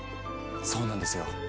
そうなんですよ。